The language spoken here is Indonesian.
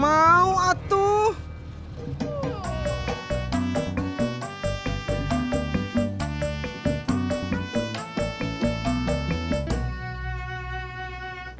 masa duitnya lecek neng